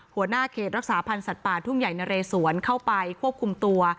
หัวหน้าเขตรักษาพันธ์สัตว์ป่าทุ่งใหญ่นะเรสวนเข้าไปควบคุมตัว